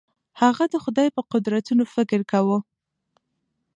هغه د خدای په قدرتونو فکر کاوه.